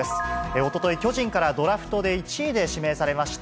おととい、巨人からドラフトで１位で指名されました